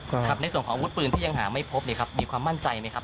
ครับในส่วนของอาวุธปืนที่ยังหาไม่พบเนี่ยครับมีความมั่นใจไหมครับ